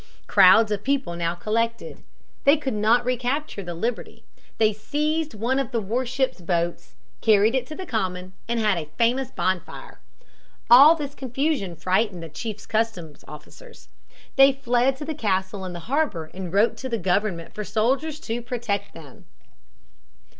Crowds of people now collected. They could not recapture the Liberty. They seized one of the war ship's boats, carried it to the Common, and had a famous bonfire. All this confusion frightened the chief customs officers. They fled to the castle in the harbor and wrote to the government for soldiers to protect them.